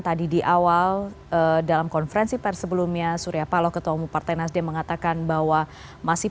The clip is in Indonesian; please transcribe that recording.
tadi di awal dalam konferensi pers sebelumnya surya paloh ketua umum partai nasdem mengatakan bahwa masih